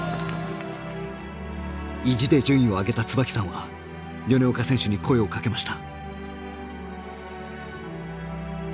意地で順位を上げた椿さんは米岡選手に声をかけました。